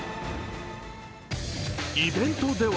イベントでは